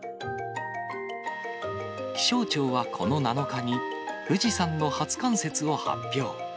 気象庁はこの７日に、富士山の初冠雪を発表。